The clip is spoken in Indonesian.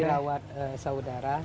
cuman di lawat saudara